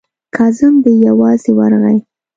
کازم بې یوازې ورغی.